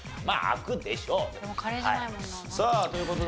まあ開くでしょう。